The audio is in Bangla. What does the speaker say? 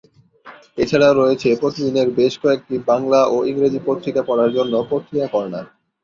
এছাড়াও রয়েছে প্রতিদিনের বেশ কয়েকটি বাংলা ও ইংরেজি পত্রিকা পড়ার জন্য পত্রিকা কর্নার।